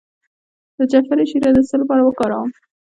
د جعفری شیره د څه لپاره وکاروم؟